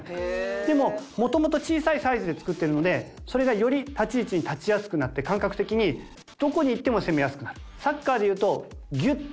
でももともと小さいサイズで作ってるのでそれがより立ち位置に立ちやすくなって感覚的にどこに行っても攻めやすくなる。